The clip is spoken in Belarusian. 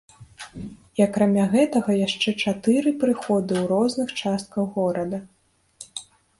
І акрамя гэтага яшчэ чатыры прыходы ў розных частках горада!